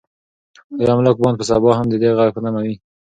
آیا ملا بانګ به سبا هم د دې غږ په تمه وي؟